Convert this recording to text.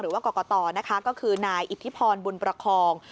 ว่ากรกตนะคะก็คือนายอิทธิพรบุญประคอง